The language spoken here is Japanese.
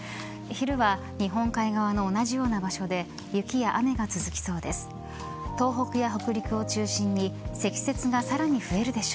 昼は日本海側の同じような場所で雪や雨が続きそうです。